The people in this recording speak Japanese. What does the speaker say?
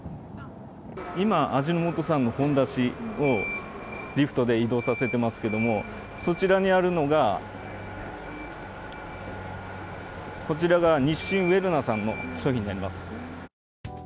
今、味の素さんのほんだしをリフトで移動させていますけど、そちらにあるのが日清ウェルナさんの商品になります。